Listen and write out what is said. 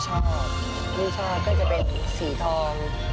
ชุดที่ชอบก็คือละชาวชาวสีทอง